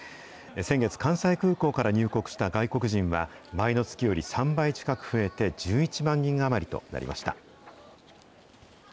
先月、関西空港から入国した外国人は、前の月より３倍近く増えて１１万人余りとなりました。